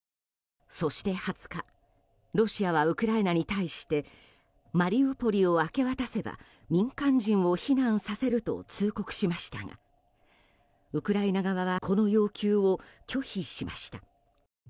そして２０日ロシアはウクライナに対してマリウポリを明け渡せば民間人を避難させると通告しましたがウクライナ側はこの要求を拒否しました。